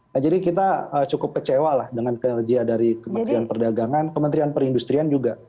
nah jadi kita cukup kecewa lah dengan kinerja dari kementerian perdagangan kementerian perindustrian juga